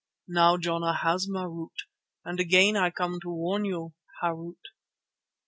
Now Jana has Marût, and again I come to warn you, Harût."